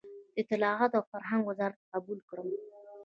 د اطلاعاتو او فرهنګ وزارت قبول کړم.